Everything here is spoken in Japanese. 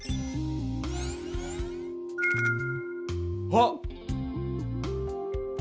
あっ！